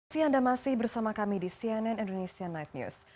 si anda masih bersama kami di cnn indonesian night news